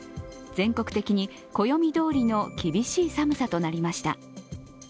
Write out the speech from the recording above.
全国的に暦どおりの厳しい寒さとなりました。